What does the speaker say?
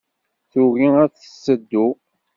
Tugi ad t-tettu.